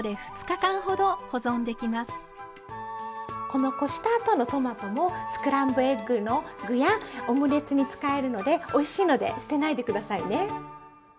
このこした後のトマトもスクランブルエッグの具やオムレツに使えるのでおいしいので捨てないで下さいね。